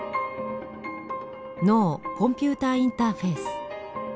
脳コンピューターインターフェイス。